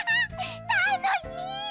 たのしい！